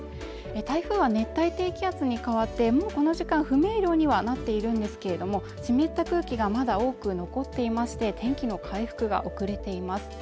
台風は熱帯低気圧に変わってもうこの時間不明瞭にはなっているんですけれども湿った空気がまだ多く残っていまして天気の回復が遅れています